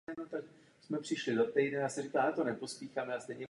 Vždy vybojoval druhé místo v závěrečném hodnocení.